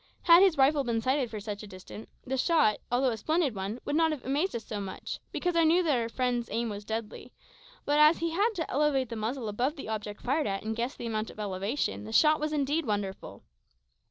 Had his rifle been sighted for such a distance, the shot, although a splendid one, would not have amazed us so much, because we knew that our friend's aim was deadly; but as he had to elevate the muzzle above the object fired at and guess the amount of elevation, the shot was indeed wonderful.